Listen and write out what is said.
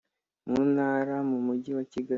Mu ntara mu mujyi wa kigali